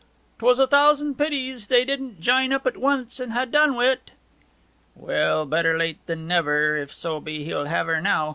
''Twas a thousand pities they didn't jine up at once and ha' done wi' it. 'Well; better late than never, if so be he'll have her now.